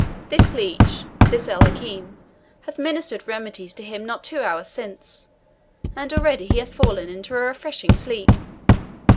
This leech, this El Hakim, hath ministered remedies to him not two hours since, and already he hath fallen into a refreshing sleep.